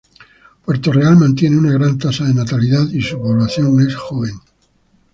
Puerto Real mantiene una gran tasa de natalidad y su población es joven.